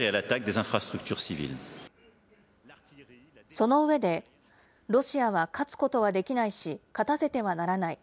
その上で、ロシアは勝つことはできないし、勝たせてはならない。